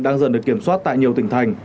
đang dần được kiểm soát tại nhiều tỉnh thành